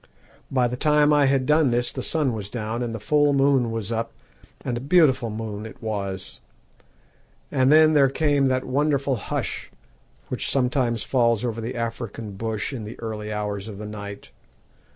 By the time I had done this the sun was down, and the full moon was up, and a beautiful moon it was. And then there came that wonderful hush which sometimes falls over the African bush in the early hours of the night.